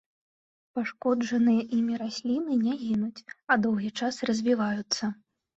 Пашкоджаныя імі расліны не гінуць, а доўгі час развіваюцца.